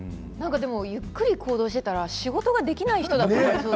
ゆっくり行動していたら仕事ができない人だと思われそう。